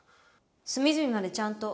隅々までちゃんと。